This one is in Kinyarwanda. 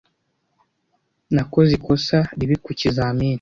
Nakoze ikosa ribi ku kizamini.